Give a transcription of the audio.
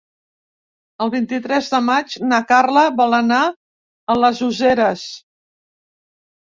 El vint-i-tres de maig na Carla vol anar a les Useres.